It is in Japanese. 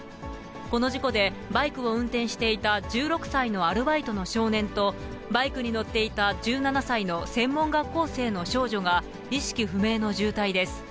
この事故で、バイクを運転していた１６歳のアルバイトの少年と、バイクに乗っていた１７歳の専門学校生の少女が意識不明の重体です。